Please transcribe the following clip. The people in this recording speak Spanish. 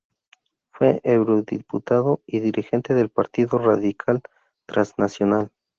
Fue eurodiputado y dirigente del Partido Radical Transnacional.